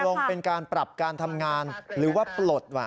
ลงเป็นการปรับการทำงานหรือว่าปลดว่ะ